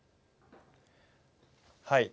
はい。